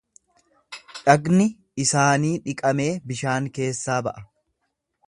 Dhagni isaanii dhiqamee bishaan keessaa ba'a.